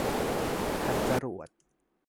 ขัดจรวด